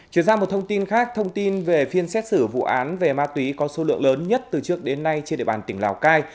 chuyển sang một thông tin khác thông tin về phiên xét xử vụ án về ma túy có số lượng lớn nhất từ trước đến nay trên địa bàn tỉnh lào cai